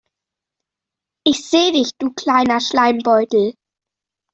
Ich seh dich du kleiner Schleimbeutel.